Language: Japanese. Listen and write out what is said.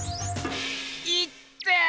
いってぇ！